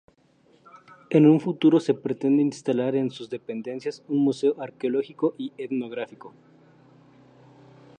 En un futuro se pretende instalar en sus dependencias un museo arqueológico y etnográfico.